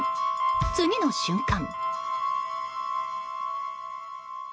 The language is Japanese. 次の瞬間。